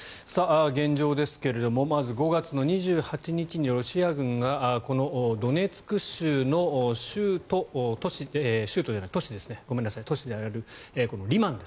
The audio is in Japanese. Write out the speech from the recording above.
現状ですがまず、５月２８日にロシア軍がこのドネツク州の都市であるこのリマン